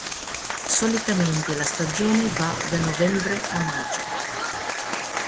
Solitamente la stagione va da novembre a maggio.